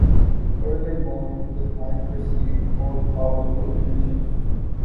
Furthermore, the tank received a more powerful engine.